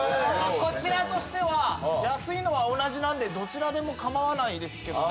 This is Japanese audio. こちらとしては安いのは同じなんでどちらでも構わないですけどね。